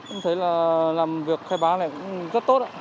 em thấy là làm việc khai báo này cũng rất tốt